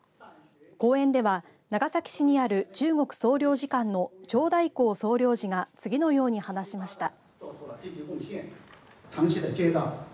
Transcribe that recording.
講演では、長崎市にある中国総領事館の張大興総領事が次のように話しました。